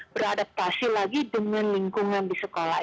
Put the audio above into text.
beradaptasi lagi dengan lingkungan di sekolah